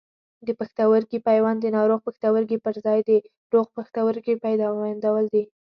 د پښتورګي پیوند د ناروغ پښتورګي پر ځای د روغ پښتورګي پیوندول دي.